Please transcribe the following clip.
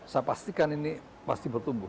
saya pastikan ini pasti bertumbuh